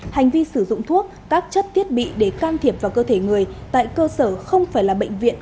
hành vi sử dụng thuốc các chất thiết bị để can thiệp vào cơ thể người tại cơ sở không phải là bệnh viện